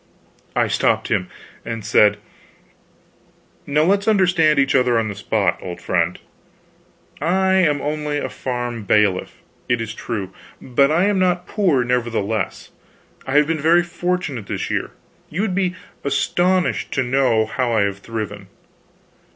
I stopped him, and said: "Now let's understand each other on the spot, old friend. I am only a farm bailiff, it is true; but I am not poor, nevertheless. I have been very fortunate this year you would be astonished to know how I have thriven.